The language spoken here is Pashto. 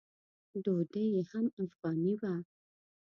ډوډۍ یې هم افغاني وه.